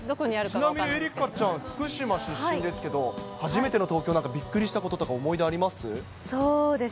ちなみに愛花ちゃんは福島出身ですけど、初めての東京、なんかびっくりしたこととか思い出あります？